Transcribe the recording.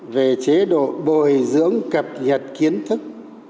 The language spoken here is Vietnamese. về chế độ bồi dưỡng cập nhật kiến thức